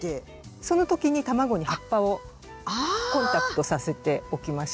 その時に卵に葉っぱをコンタクトさせておきました。